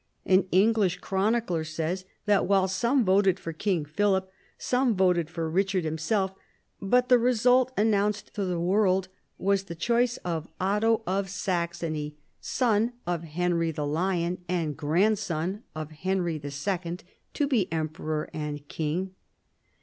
An English chronicler says that while some voted for King Philip, some voted for Richard himself ; but the result announced to the world was the choice of Otto of Saxony, son of Henry the Lion, and grandson of Henry II., to be emperor and king.